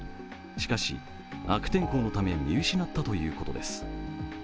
しかし悪天候のため見失ったということです。